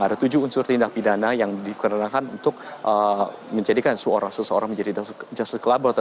ada tujuh unsur tindak pidana yang dikenakan untuk menjadikan seseorang menjadi justice collaborator